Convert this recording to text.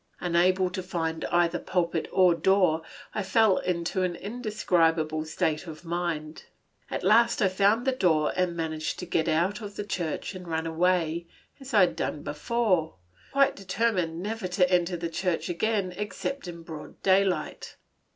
Unable to find either pulpit or door, I fell into an indescribable state of mind. At last I found the door and managed to get out of the church and run away as I had done before, quite determined never to enter the church again except in broad daylight.